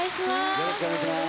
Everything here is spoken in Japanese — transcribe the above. よろしくお願いします。